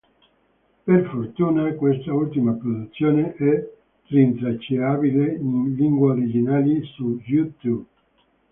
Per fortuna quest'ultima produzione è rintracciabile, in lingua originale, su "You Tube".